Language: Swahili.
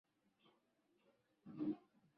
unaweza kuambukizwa kwa kufanya ngono bila kinga